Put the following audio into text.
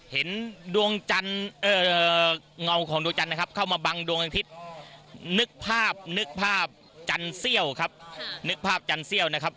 เห็นดวงจันทร์เงาของดวงจันทร์เข้ามาบังดวงอาทิตย์นึกภาพนึกภาพจันทร์เสี่ยวครับ